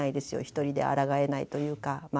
一人であらがえないというか。